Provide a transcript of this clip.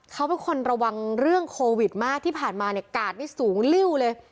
เขาเป็นคนระวังเรื่องโควิดมากที่ผ่านมาเนี่ยกาดนี่สูงริ้วเลย